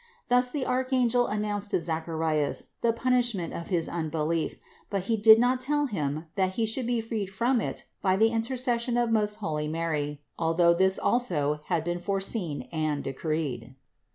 Thus the archangel an nounced to Zacharias the punishment of his unbelief, but he did not tell him that he should be freed from it by the intercession of most holy Mary, although this also had been foreseen and decreed.